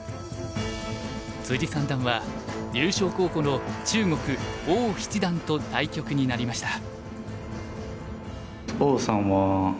三段は優勝候補の中国王七段と対局になりました。